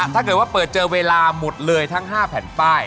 ถ้าเกิดว่าเปิดเจอเวลาหมดเลยทั้ง๕แผ่นป้าย